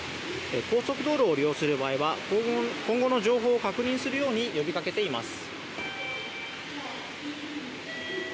高速道路を利用する場合は今後の情報を確認するように呼びかけています。